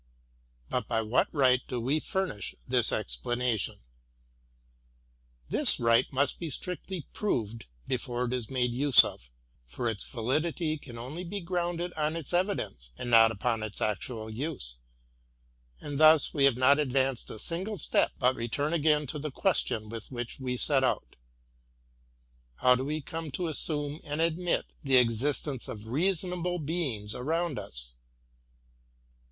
But by what right do we furnish this explanation? This right must be strictly proved before it is made use of, for it validity can only be grounded on its evidence, and not upon its actual use: — and thus we have not advanced a single step, but return again to the question with which we set out: — How do we come to assume and admit the ex istence of reasonable beings around us